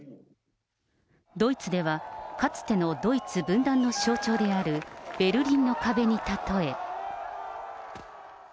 ドイツでは、かつてのドイツ分断の象徴であるベルリンの壁にたとえ。